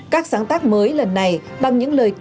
các sáng tác mới lần này bằng những lời ca